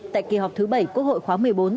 tại kỳ họp thứ bảy quốc hội khóa một mươi bốn